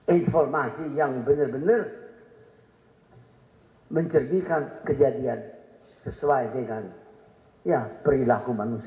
informasi yang benar benar mencerdikan kejadian sesuai dengan perilaku manusia